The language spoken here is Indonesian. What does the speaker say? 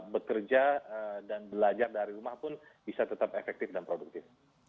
bekerja dan belajar dari rumah pun bisa tetap efektif dan produktif